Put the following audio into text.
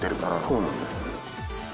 そうなんです。